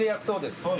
そうです。